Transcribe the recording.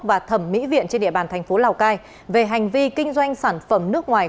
và thẩm mỹ viện trên địa bàn thành phố lào cai về hành vi kinh doanh sản phẩm nước ngoài